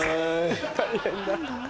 大変だ。